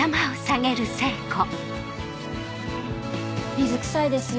水くさいですよ